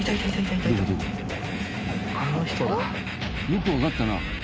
よくわかったな。